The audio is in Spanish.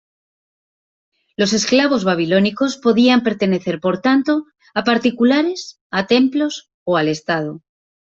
Los esclavos babilónicos podían pertenecer, por tanto, a particulares, a templos o al Estado.